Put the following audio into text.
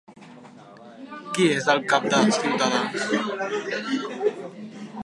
Qui és el cap de Ciutadans?